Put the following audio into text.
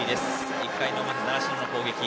１回の表、習志野の攻撃。